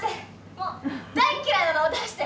もう大っ嫌いなのを出して！